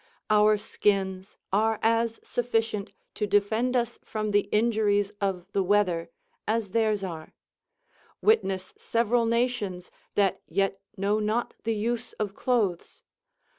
Our skins are as sufficient to defend us from the injuries of the weather as theirs are; witness several nations that yet know not the use of clothes.